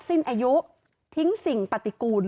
สิ้นอายุทิ้งสิ่งปฏิกูล